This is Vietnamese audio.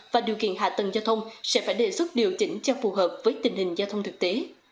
và điều kiện hạ tầng giao thông sẽ phải đề xuất điều chỉnh cho phù hợp với tình hình giao thông thực tế